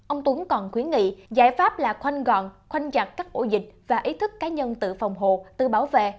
ông tuấn còn khuyến nghị giải pháp là khoanh gọn khoanh giặt các ổ dịch và ý thức cá nhân tự phòng hồ tự bảo vệ